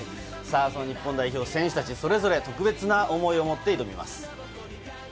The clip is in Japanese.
日本代表選手たち、それぞれ特別な思いを持って挑みます。